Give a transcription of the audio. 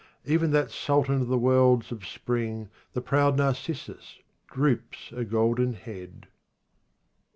Even that sultan of the worlds of spring, The proud Narcissus, droops a golden head.